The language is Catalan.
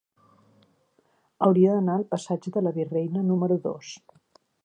Hauria d'anar al passatge de la Virreina número dos.